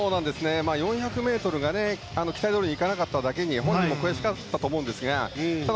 ４００ｍが期待どおりにいかなかっただけに本人も悔しかったと思うんですが。